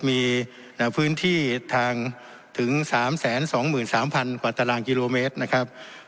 มีพื้นที่ทางถึง๓๒๓๐๐กว่าตารางกิโลเมตรนะครับ